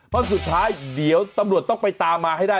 เพราะสุดท้ายเดี๋ยวตำรวจต้องไปตามมาให้ได้